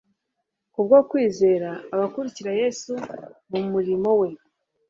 Kubwo kwizera, abakurikira Yesu mu murimo we